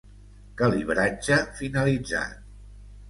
Calibratge finalitzat.